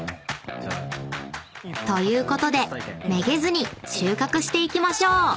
［ということでめげずに収穫していきましょう］